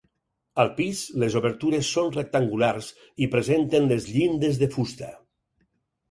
Al pis, les obertures són rectangulars i presenten les llindes de fusta.